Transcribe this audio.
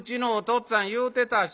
っつぁん言うてたし。